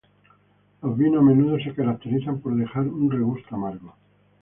Los vinos a menudo se caracterizan por dejar un regusto amargo.